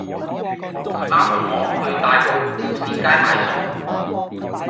姨媽同我去大埔富善街買餸